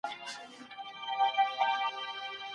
ډېر لوړ ږغ باید پاڼه ړنګه کړي.